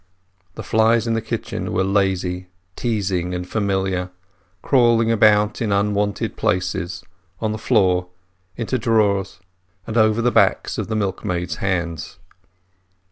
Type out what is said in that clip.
The flies in the kitchen were lazy, teasing, and familiar, crawling about in the unwonted places, on the floors, into drawers, and over the backs of the milkmaids' hands.